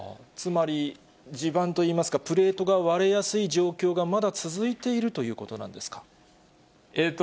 つまり、地盤といいますか、プレートが割れやすい状況がまだ続いているということなんですか？